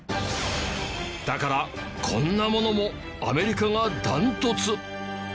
だからこんなものもアメリカがダントツ。